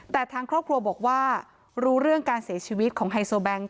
แต่ทางครอบครัวบอกว่ารู้เรื่องการเสียชีวิตของไฮโซแบงค์